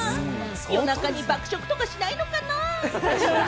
夜中に爆笑とかしないのかな？